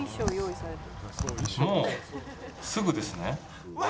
もうすぐですね。